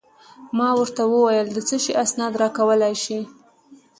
ما ورته وویل: د څه شي اسناد راکولای شې؟